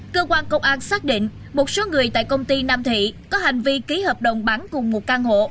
cơ quan công an xác định một số người tại công ty nam thị có hành vi ký hợp đồng bán cùng một căn hộ